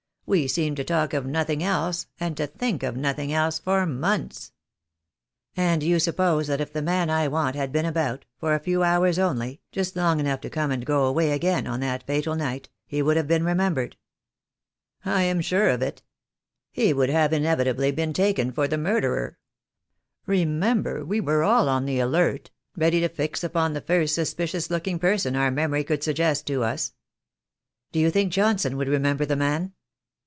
We seemed to talk of nothing else, and to think of nothing else for months." "And you suppose that if the man I want had been about — for a few hours only, just long enough to come and go away again on that fatal night, he would have been remembered?" "I am sure of it. He would have inevitably been THE DAY WILL COME. I 77 taken for the murderer. Remember, we were all on the alert, ready to fix upon the first suspicious looking person our memory could suggest to us." "Do you think Johnson would remember the man?"